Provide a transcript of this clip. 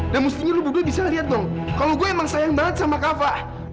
dan mustinya lo berdua bisa lihat dong kalau gue emang sayang banget sama kafa